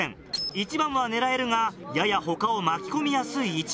１番は狙えるがやや他を巻き込みやすい位置。